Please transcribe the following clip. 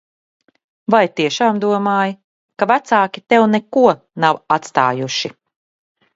Vai tiešām domāji, ka vecāki tev neko nav atstājuši?